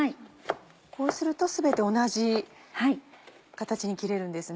こうすると全て同じ形に切れるんですね。